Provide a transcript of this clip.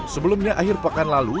sebelumnya akhir pekan lalu